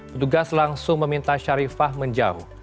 petugas langsung meminta sharifah menjauh